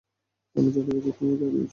আমি যা দেখছি তুমিও তাই দেখছো?